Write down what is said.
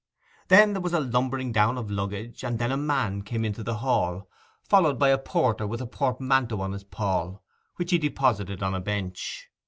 Then there was a lumbering down of luggage, and then a man came into the hall, followed by a porter with a portmanteau on his poll, which he deposited on a bench.